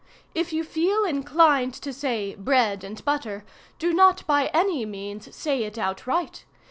If you feel inclined to say 'bread and butter,' do not by any means say it outright.